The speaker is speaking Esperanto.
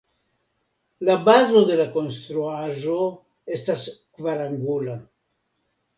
La bazo de la konstruaĵo estas kvarangula.